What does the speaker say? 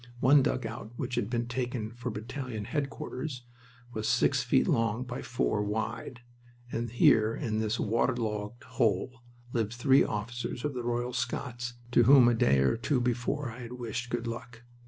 One dugout which had been taken for battalion headquarters was six feet long by four wide, and here in this waterlogged hole lived three officers of the Royal Scots to whom a day or two before I had wished "good luck."